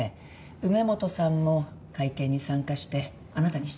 梅本さんも会見に参加してあなたに質問をしています。